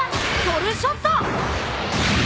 ソルショット！